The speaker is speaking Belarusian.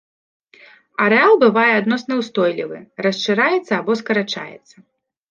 Арэал бывае адносна ўстойлівы, расшыраецца або скарачаецца.